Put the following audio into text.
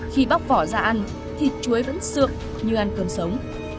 khi bóc vỏ ra ăn thì chuối vẫn sượm như ăn cơm xôi